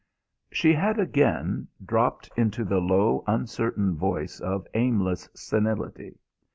She had again dropped into the low uncertain voice of aimless senility.